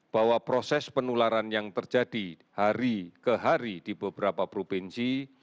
bahwa proses penularan yang terjadi hari ke hari di beberapa provinsi